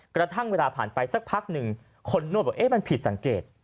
กระทั่งเวลาผ่านไปสักพักหนึ่งคนนวดบอกมันผิดสังเกต